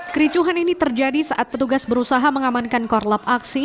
kericuhan ini terjadi saat petugas berusaha mengamankan korlap aksi